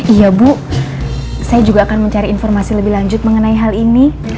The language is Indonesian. iya bu saya juga akan mencari informasi lebih lanjut mengenai hal ini